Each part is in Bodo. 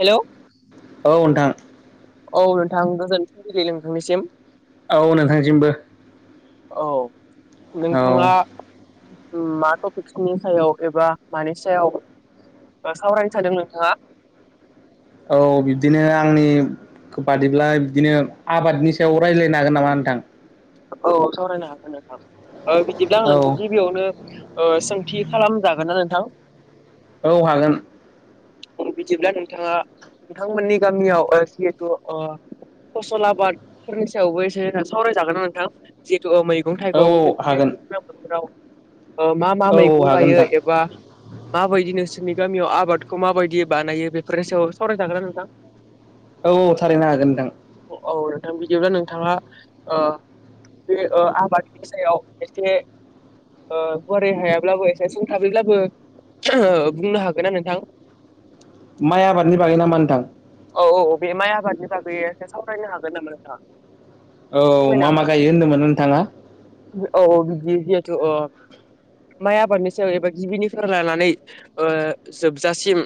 हेलौ औ नोंथां। औ नोंथां गोजोन फुंबिलिरि नोंथांनिसिम। औ नोंथांसिमबो। औ औ नोंथाङा मा टपिक्सनि सायाव एबा मानि सायाव ओ सावरायनो थादों नोंथाङा। औ बिब्दिनो आंनि बादिब्ला बिदिनो आबादनि सायाव रायज्लायनो हागोन नामा नोंथां‌। औ सावरायनो हागोन नोंथां बिदिदां आं औ नोंखौ गिबियावनो ओ सोंथि खालामजागोन ना नोंथां? औ हागोन। बिदिब्ला नोंथाङा नोंथांमोननि गामियाव‌ ओ जिहेथु ओ फसल आबादफोरनि एसे सायावबो एसे सावरायजागोन आरो। नोथां जिहेतु मैगं औ थाइगं औ बे हागोन दैज्लां बोथोराव मा-मा औ औ मैगं हागोन गायो नोंथां एबा माबायदिनोसो जोंनि गामियाव आबादखौ माबायदि बानायो बेफोरनि सायाव सावराय थागोन्रा नोंथां। औ-औ थारैनो हागोन नोंथां। आ बिदिब्ला नोंथाङा बे ओ आबादनि सायाव एसे ओ गुवारै हायाब्लाबो एसे सुंथाथाबैब्लाबो बुंनो हागोनना नोंथां। माइ आबादनि बागै नामा नोंथां। औ औ बे माइ आबादनि बागै सावरायनो हागोन नामा नोंथाङा। औ फोरमायनो मा मा हागोन नामा गायो होनदोंमोन नोंथाङा औ ओ बिदि अ। माइ आबादनि सायाव एबा गिबिनिफ्राय लानानै ओ जोबजासिम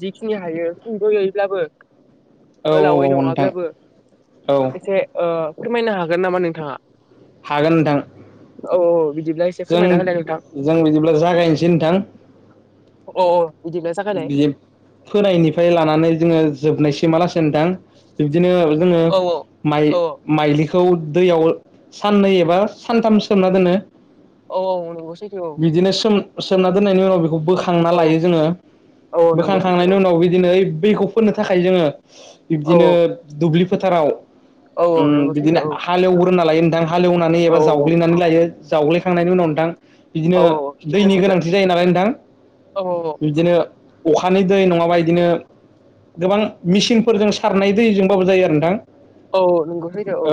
जिखिनि हायो सुंद'यै। ब्लाबो औ गोलावै औ नोंथां नङाब्लाबो औ एसे ओ फोरमायनो हागोन नामा नोंथाङा? हागोन नोंथां। औ बिदिब्ला एसे जों फोरमायना होलाय नोंथां। जों बिदिब्ला जागायनोसै नोंथां अअ बि फोनायनिफ्राय लानानै जोङो जोबनायसै लासे नोंथां बिब्दिनो जोङो औ माइ औ औ माइलि बेखौ दैयाव साननै एबा सानथाम सोमना दोनो। औ औ नंगौ सैथो औ बिदिनो सोम सोमना दोननायनि उनाव बेखौ बोखांना लायो जोङो औ नंगौ सैथो बोखांखांनायनि उनाव बिदिनो बेखौ फोननो थाखाय जोङो औ बिब्दिनो दुब्लि फोथाराव औ औ नंगौ बिदिनो सैथो हालेवग्रोना लायो नोंथां हालेवनानै एबा औ औ जावग्लिनानै लायो। जावग्लायखांनायनि उनाव नोंथां बिदिनो औ औ सैथो दैनि सैथो गोनांथि जायो नालाय नोंथां औ बिदिनो अखानि दै नङाबा इदिनो गोबां मेचिनफोरजों सारनाय दैजोंबाबो जायो आरो नोंथां औ नोंगौ सैथो औ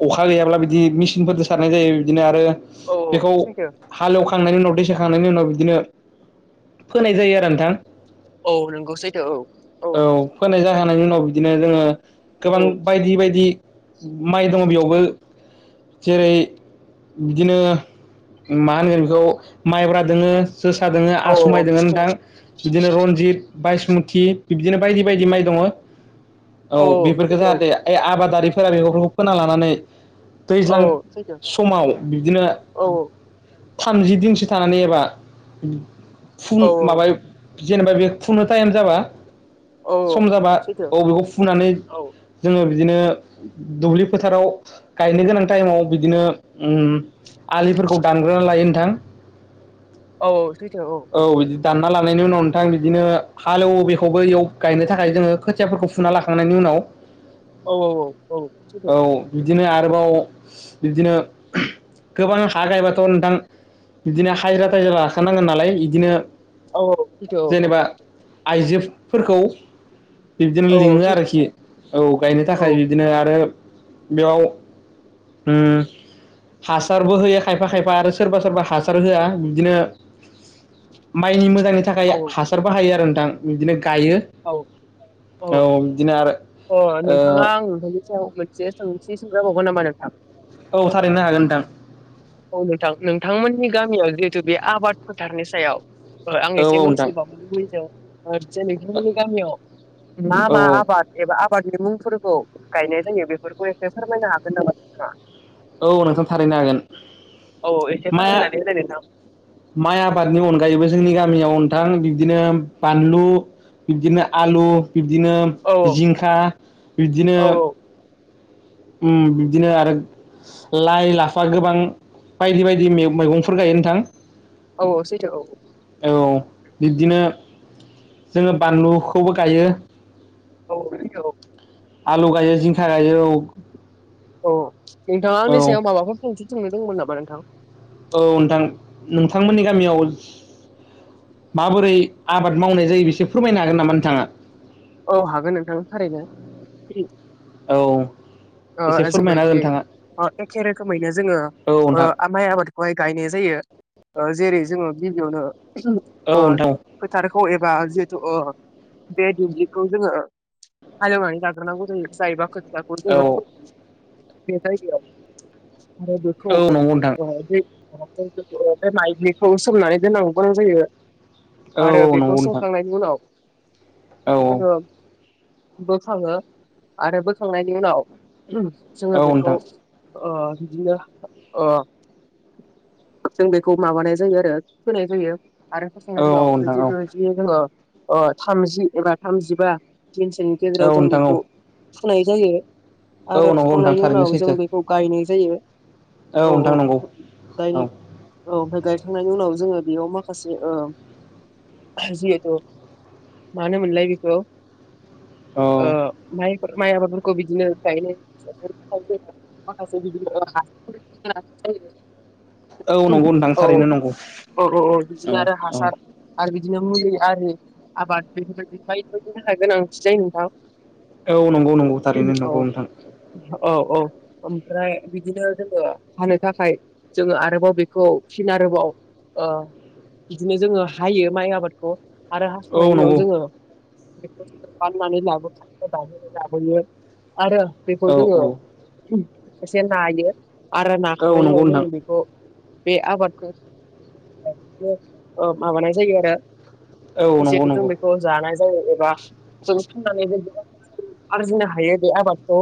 अखा गैयाब्ला बिदि मेचिनफोरजों सारनाय जायो बिदिनो आरो औ बेखौ सैथो हालेवखां खांनायनि उनाव दै सोखांनायनि उनाव बिदिनो फोनाय जायो आरो नोंथां। औ नंगौ सैथो औ औ होनायनि उनाव बिदिनो जोङो गोबां औ बायदि बायदि माइ दङ बेयावबो जेरै बिदिनो मा होनगोन बेखौ माइब्रा दोङो जोसा दोङो औ आसुमाइ दोङो नोंथां बिदिनो रनजित बायसमुथि बिबदिनो बायदि बायदि माइ दङ औ औ बेफोरखौ सैथो जाहाथे ऐ आबादारि फोरा बेगफोरखौ फोना लानानै औ दैज्लां सैथो समाव बिदिनो औ थामजि दिनसो थानानै एबा फुं औ माबायाव जेनेबा बे खुंनो टाइम जाबा औ सम जाबा सैथो अबेखौ फुनानै औ जोङो बे बिदिनो दुब्लि फोथाराव गायनो गोनां टाइमाव बिदिनो उम आलिफोरखौ दानग्रोना लायो नोंथां औ औ सैथो औ औ फुना लानायनि उनाव नोंथां बिदिनो हालेवो बेखौबो इयाव गायनो थाखाय जोङो खोथियाफोरखौ फुना लाखांनायनि उनाव औ औ औ औ बिदिनो आरोबाव बिब्दिनो गोबां हा गायबाथ' नोंथां बिदिनो हाजिरा थाजिरा लाखानांगोन नालाय इदिनो औ औ सैथो औ औ जेनेबा आइजोफोरखौ बिब्दिनो लिङो आरोखि औ गायनो थाखाय बिब्दिनो आरो बेयाव उम हासारबो होयो खायफा खायफा आरो सोरबा सोरबा हासार होआ बिदिनो माइनि मोजांनि थाखाय हासार बाहायो आरो। नोंथां बिदिनो गायो औ औ बिदिनो आरो अ ओ नोंथाङा आं नोंथांनि सायाव मोनसे सोंथि सोंजाबावगोन नामा नोंथां? औ थारैनो हागोन नोंथां। औ नोंथां नोंथांमोननि गामियाव जिहेतु बे आबाद फोथारनि सायाव आं औ औ एसे नोंथां मिथिबावो लुबैदों हरसे नोंथां मोननि गामियाव मा औ मा औ आबाद एबा आबादनि मुंफोरखौ गायनाय जायो बेफोरखौ एसे फोरमायनो हागोन नामा नोंथाङा? औ नोंथां थारैनो हागोन औ औ एसे माया फोरमायनानै होलाय नोंथां माइ आबादनि अनगायैबो जोंनि गामियाव नोंथां बिदिनो बानलु बिब्दिनो आलु बिब्दिनो औ जिंखा बिब्दिनो औ बिदिनो आरो लाइ लाफा गोबां बायदि बायदि मैगंफोर गायो नोंथां औ औथ औ औ बिब्दिनो जोङो बानलुखौबो गायो औ बिग औ आलु गायो जिंखा गायो औ अ औ नोंथाङानि सायाव माबाफोर फंसफोंनो दंमोन नामा नोंथां औ नोंथां नोंथांमोननि गामियाव माबोरै आबाद मावनाय जायो बिसोर फोरमायनो हागोन नामा नोंथाङा औ हागोन नोंथांनि थारैनो औ एसे फोरमायना हो बायदि नोंथाङा एखे रोखोमैनो जोङो औ नोंथां माइ आबादखौहाय गायनाय जायो जेरै जोङो औ गिबियावनो नोंथां फोथारखौ एबा अ बे दुब्लिखौ जोङो हालेवनानै ञञ जायो जायोब द'ऐ जा बे जायगायाव म औ बेेखौ नंगौ नोंथां बे बे माइबलिखौ सोमनानै दोननांगौ गोनां जायो औ आरो औ बेखौ नंगौ नोंथां संखांनायनि उनाव औ औ जोङो बोखाङो आरो बोखांनायनि उनाव जोङो औ बेखौ नोंथां बिदिनो जों बेखौ माबानाय जायो आरो होनाय जायो आरो औ फोसंनाय उनाव नोंथां औ जिहेतु जि जोङो थामजि एबा थामजिबा दिनसोनि गेजेराव औ जों नोंथां बेखौ औ फुनाय जायो आरो औ नंगौ नोंथां फुखांनायनि थारैनो उनाव सैथो जों बेखौ गायनाय जायो औ नोंथां औ नंगौ दाय औ औ गायखांनायनि उनाव जोङो बेयाव माखासे हजयो मानो मललााय बिखौ औ आ म म बाबुरखौ बि बिदिाय औ औ औ नंगौ नोंथां थारैनो नंगौ औ औ औ बिदिनो आरो औ हासार आरो बिदिनो मुलि आरि आबाद बेफोरबायदि बायदि बायदिनो हागोन आं ख जायो नोंथां औ नंगौ नंगौ थारैनो औ नंगौ नोंथां औ औ ओमफ्राय बिदिनो जोङो हानो थाखाय जोङो आरोबाव बेखौ फि आरोबाव बिदिनो जोङो हायो माइ आबादखौ आरो औ हास'नायनि उनाव नंगौ जोङो बेखौ जोो बाननानै लाबोख लाबोोयो आरो बेखौ औ जोङो औ एसे नायो आर औ नंगौ नाखांनायाव नोंथां जोंो बेखौ बे आबादखौ बिदिनो माबानाय जायो आरो औ नंगौ सेदिथ नंगौ बेखौ जान जायो एबा जों फाननानै गोबां आरजिनो हायो बे आबादखौ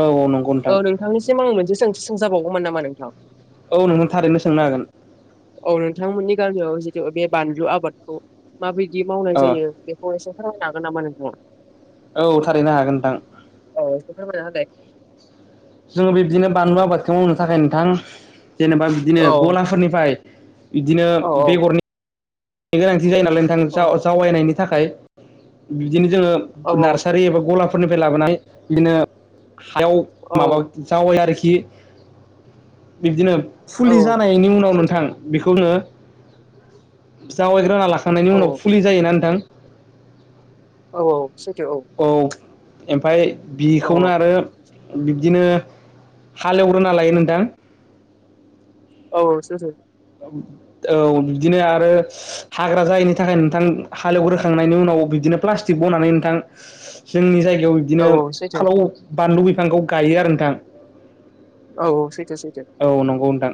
औ नंगौ नोंथां औ नोंथांनिसिम आं मोनसे सोंथि सोंजाबावगौमोन नामा नोंथां औ नोंनो थारैनो सोंनो हागोन औ नोंथांमोननि गामियाव जितु बे बानलु आबादखौ माबायदि मावनाय जायो बेखौ एसे हागोन नामा नोंथाङा औ थारैनो हागोन नोंथां औथ मजाल जोङो बिब्दिनो बानलु आबादखौ मावनो थाखाय नोंथां जेनेबा बिदिनो औ गलाफोरनिफ्राय बिदिनो औ बेगरनि गोनां औ जनायनि थाखाय बिनो ज औ नबा ग फोरनिफ्राय लाबोनाय बिदिनो हायाव औ माबा जावै आरोखि [unintelligible] बिब्दिनो औ फुलि जानायनि उनाव सैथो नोंथां बेखौनो जावायग्राना लाखांनायनि औ उनाव औ फुलि जायोना नोंथां? औ औ सथ औ ओमफाय बिखौनो औ आरो बिब्दिनो हालेवग्रोना लायो नोंथां औ औ सस औ बिदिनो आरो हाग्रा जायैनि थाखाय नोंथां हालेवग्रोखांनायनि उनाव बिदिनो प्लास्टिक बनानै नोंथां जोंनि जाय जायाव बिदिनो औ औ सैथो फालाव बानलु बिफांखौ गायो आरो नोंथां औथत औ नंगौ नोंथां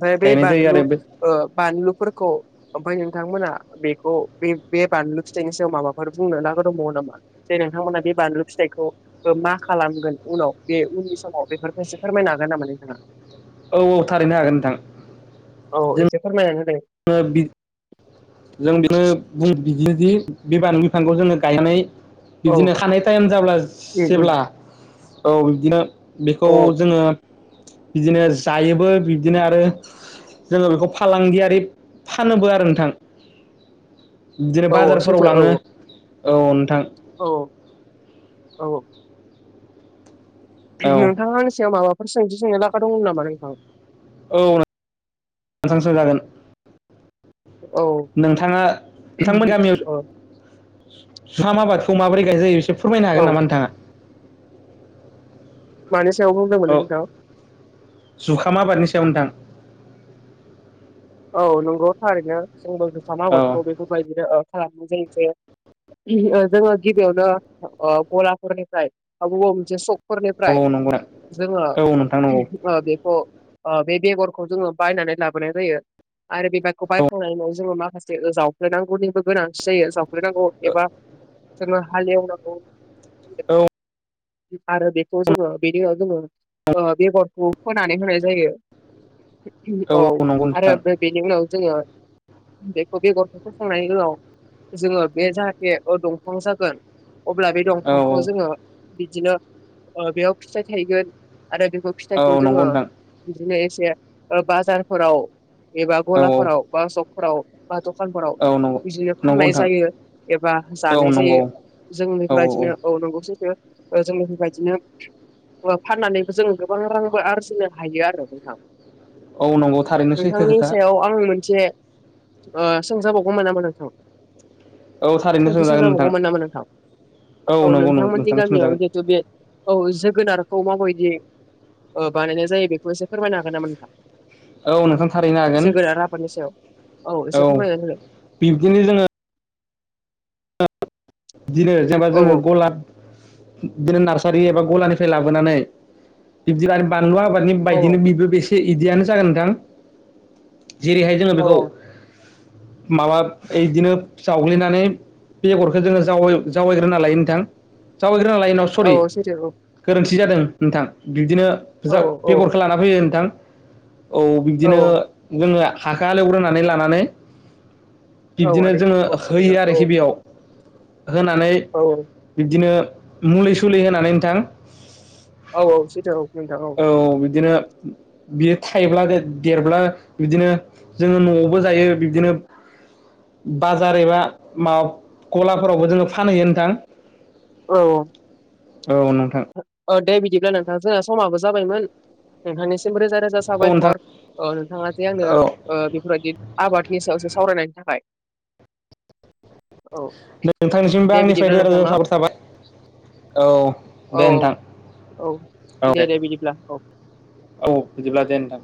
भाय बेाय गायनाय जायो बानलु आरो बे बानलु फोरखौ ओमफ्राय नोंथांमोना बेखौ बे बानलु फिथाइनि सायाव माबाफोर बुंनो नागिर दंबावामा जे नोंथांमोना बे बानलु फिथाइखौ मा खालामगोन उनाव बे उननि समाव बेफोर फेसे म नागाना मानि जा। औ औ थारैनो हागोन नोंथां। औ एसे फोरमायोन जों बिनो बुं बिदिदि बे बानु बिफांखौ जोङो गायनानै औ बिदिनो हानाय टाइम जाब्ला उम उम जेब्ला औ बि्दिनो बेखौ औ जोङो बिदिनो जायोबो बिदिनो आरो जोङो बेखौ फालांगियारि फानोबो आरो नोंथां बिदिनो औ औ बाजारफोराव सैथो औ लाङो औ नोंथां औ औ औ नोंथाङा आंनि सायाव माबाफोर सोंज सोंनो लागा दंमोन नामा नोंथां औसांसां जागोन औ नोंथाङा नोंथांमोन गामियाव औ सुाम आबादखौ माबोरै गायनाय जायो बिसोर फोरमायनो औ हागोन नामा नोंथाङा मान औ जुखामा बारनि सायाव नोंथां औ नंगौ थारैनो जोंबो होखाम औ आगादखौ बेफोरबायदिनो खालामो जों एसे जोङो गिबियावनो गलाफोररायनिफ्राय ब बबा मोनसे स औ निफ्राय नंगौ औ नोंथां नंगौ जोङो बेखौ बे बेगरखौ जोङो बायनानै लाबोनाय जायो आरो बिबारखौ बायखांनायनि उनाव जोङो माखासे जावफ्लेनांगौनिबो गोनांथि जायो जाव खगैनांगौ औ एबा जनो हालेवनांगौ औ आरो बेखौ जोङो बेदि जोङो बेगरखौ फोनानै होनाय जायो बि औ आरो बेनि उनाव जोङो बेखौ बेगरफोरखौ फोखांनायनि उनाव जोङो बे जाहाथे दंफां जागोन अब्ला बे औ दंफांखौ जोङो बिदिनो बेयाव फिथाय थायगोन आरो बेखौ फिथाइखौ औ नंगौ जोङो नोंथां बिदिनो से बाजारफोराव एबा औ गलाफोराव बा सपफोराव बा दखानफोराव औ नंगौ बिदिनो नंगौ फाननाय नोंथां जायो एबा औ जानाय नंगौ जायो जोंनो औ फोरा बिदिनो औ नंगौ सैथो जोंनि बिबायदिनो फाननानैबो जों गोबां रांबो आरजिनो हायो आरो नोंथां औ नंगौ थारैनो सैथो नोंथांनि खोथा सायाव आं मोनसे सोंजाबावगौमोन नामा नोंथां औ थारैनो सोंथि सोंजागोन नोंथां सोंजाबावगौमोन नामा नोंथां औ नंगौ नोंथांमोन नि नोंथां गामियाव सोंजागोन जेथु बे औ [unintelligible] गोनारखौ माबायदि बानायनाय जायो बेखौ एसे फोरमायनो हागोन नामा नोंथां औ नोंथां थारैनो हागोन जोगोनार आबादनि सायाव औ एसे फोरमायनाय होदो बिब्दिनो जोङो बिदिनो जेनेबा औ जोङो गला बिदिनो नार्सारि एबा गलानिफ्राय लाबोनानै बिब्दि आरो बानलु आबादनि औ बायदिनो बेबो बेसे बिदियानो जागोन नोंथां जेरैहाय जोङो औ बेखौ माबा बिदिनो जावग्लिनानै बेगरखौ जोङो जावै जावायग्रोना लायो नोंथां जावायग्रोना लायो औ सरि औ सैथो गोरोनथि [unintelligible] जादों नोंथां बिब्दिनो औ जा औ बेगरखौ लाना फैयो नोंथां औ बिब्दिनो औ जोङो हाखौ हालेवग्रोनानै लानानै औ बिब्दिनो आदै जोङो औ सरि होयो औ औ आरोखि बेयाव होनानै बिब्दिनो मुलि सुलि होनानै नोंथां औ औ सैथो औ [unintelligible] बियो थाइब्ला बे देरब्ला बिदिनो जोङो न'आवबो जायो बिबदिनो बाजार एबा माब गलाफोरावबो जोङो फानहैयो नोंथां औ औ नोंथां औ दे बिदिब्ला नोंथां जोंहा समाबो जाबायमोन नोंथांनिसिमबो रोजा रोजा औ नोंथां साबायखर नोंथाङा जे आंनो औ बेफोरबायदि आबादनि सायावसो सावरायनायनि थाखाय औ नोंथांनिसिमबो दे आंनिफ्राय बिदिब्ला रोजा नोंथां रोजा न साबायखर थाबाय औ औ दे नोंथां औ औ औ दे औ बिदिब्ला दे नोंथां